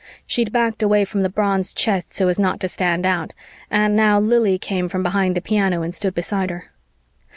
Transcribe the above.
She'd backed away from the bronze chest so as not to stand out, and now Lili came from behind the piano and stood beside her.